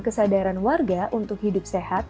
kesadaran warga untuk hidup sehat